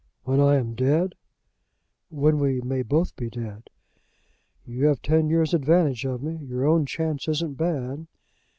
"When I am dead?" "When we may both be dead." "You have ten years advantage of me. Your own chance isn't bad."